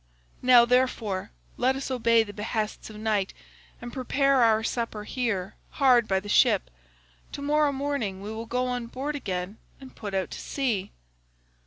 Now, therefore, let us obey the behests of night and prepare our supper here hard by the ship; to morrow morning we will go on board again and put out to sea.